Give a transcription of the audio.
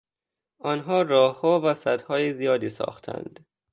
آنها راهها و سدهای زیادی ساختند.